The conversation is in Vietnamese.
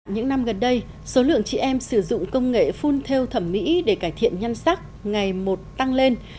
những năm gần đây số lượng chị em sử dụng công nghệ phun theo thẩm mỹ để cải thiện nhân sắc ngày một tăng lên